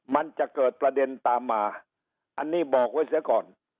มันจะเกิดประเด็นตามมาอันนี้บอกไว้เสียก่อน